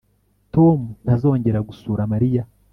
Tom ntazongera gusura Mariya